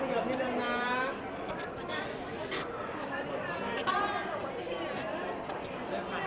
เพลงพี่หวาย